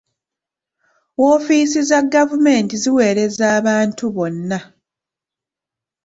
Woofiisi za gavumenti ziweereza abantu bonna.